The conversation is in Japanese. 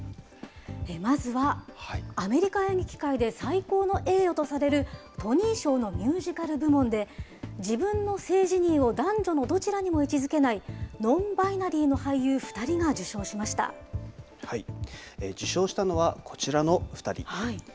まずはアメリカ演劇界で最高の栄誉とされるトニー賞のミュージカル部門で、自分の性自認を男女のどちらにも位置づけないノンバイナリーの俳受賞したのはこちらの二人。